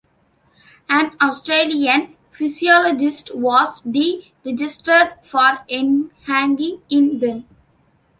An Australian psychologist was de-registered for engaging in them.